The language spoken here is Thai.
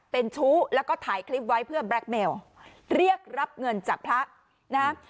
เป็นชู้แล้วก็ถ่ายคลิปไว้เพื่อแบล็คเมลเรียกรับเงินจากพระนะฮะ